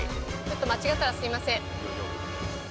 間違ったらすいません。